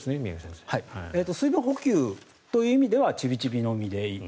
水分補給という意味ではちびちび飲みでいい。